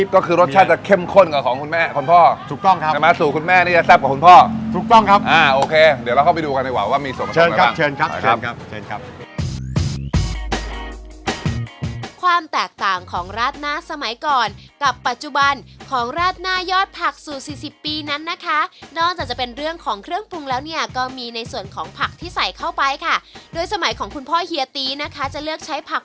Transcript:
ก็คือรสชาติจะเข้มข้นกว่าของคุณแม่คุณพ่อถูกต้องครับจะมาสูตรคุณแม่นี่จะแซ่บกว่าคุณพ่อถูกต้องครับอ่าโอเคเดี๋ยวเราเข้าไปดูกันดีกว่าว่ามีส่วนผสมอะไรบ้างเชิญครับเชิญครับความแตกต่างของราธนาสมัยก่อนกับปัจจุบันของราธนายอดผักสู่สี่สิบปีนั้นนะคะนอกจากจะเป็นเรื่